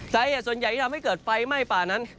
สาเหตุส่วนใหญ่ที่ทำให้เกิดไฟไหม้ป่านั้น